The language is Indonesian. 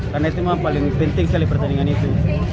karena itu memang paling penting sekali pertandingan itu